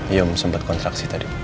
iyom sempat kontraksi tadi